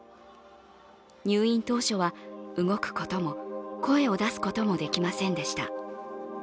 入院当初は動くことも、声を出すこともできませんでした。